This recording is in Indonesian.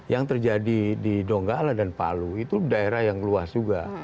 yang terjadi di donggala dan palu itu daerah yang luas juga